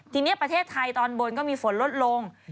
ทีนี้ประเทศไทยตอนบนก็มีฝนลดลง